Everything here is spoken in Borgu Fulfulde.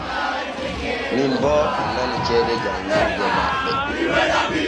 Min boo annani ceede janŋirde maɓɓe.